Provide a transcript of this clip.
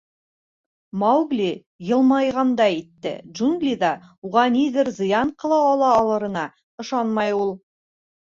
Маугли йылмайғандай итте: джунглиҙа уға ниҙер зыян ҡыла ала алырына ышанмай ул.